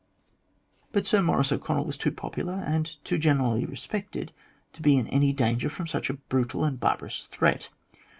'* But Sir Maurice O'Connell was too popular and too generally respected to be in any danger from such a brutal and barbarous threat.